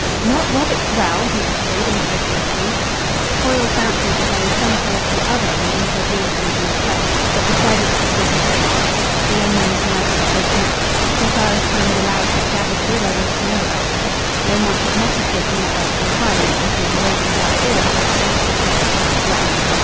"Not Robert Grell!" he echoed incredulously. Foyle fancied that there was some quality other than incredulity in the tone, but decided that he was mistaken. The young man's nerves were shaken up. So far as time would allow he had gathered all there was to know about him. Lomont had not escaped the network of inquiry that was being woven about all who had associated with Robert Grell.